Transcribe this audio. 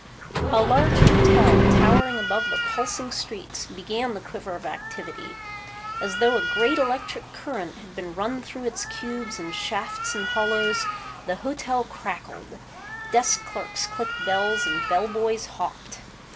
A large hotel, towering above the pulsing streets, began the quiver of activity. As though a great electric current had been run through its cubes and shafts and hollows, the hotel crackled. Desk clerks clicked bells and bell boys hopped.